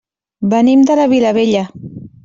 Venim de la Vilavella.